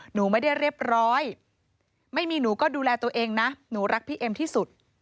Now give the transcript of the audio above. หนูไม่ได้เรียบร้อยไม่มีหนูก็ดูแลตัวเองนะหนูรักพี่เอ็มที่สุด